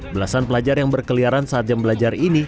belasan pelajar yang berkeliaran saat jam belajar ini